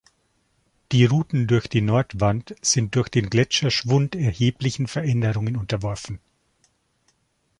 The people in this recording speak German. Die Routen durch die Nordwand sind durch den Gletscherschwund erheblichen Veränderungen unterworfen.